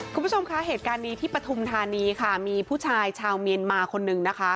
คุณผู้ชมคะเหตุการณ์นี้ที่ปฐุมธานีค่ะมีผู้ชายชาวเมียนมาคนนึงนะคะ